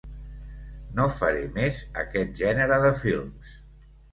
No faré més aquest gènere de films.